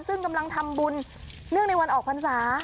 ซึ่งกำลังทำบุญเนื่องในวันออกพรรษา